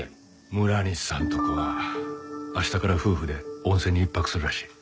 村西さんとこは明日から夫婦で温泉に１泊するらしい。